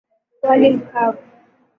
Wali mkavu.